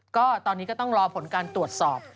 ก็ตอนนี้ก็ต้องรอผลการตรวจสอบ